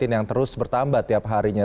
yang terus bertambah tiap harinya